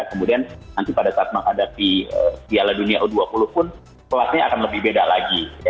kemudian nanti pada saat menghadapi piala dunia u dua puluh pun kelasnya akan lebih beda lagi